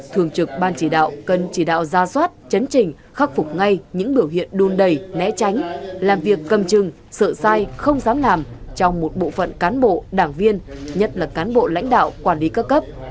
thường trực ban chỉ đạo cần chỉ đạo ra soát chấn trình khắc phục ngay những biểu hiện đun đầy né tránh làm việc cầm chừng sợ sai không dám làm trong một bộ phận cán bộ đảng viên nhất là cán bộ lãnh đạo quản lý các cấp